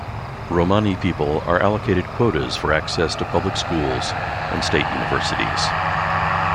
Romani people are allocated quotas for access to public schools and state universities.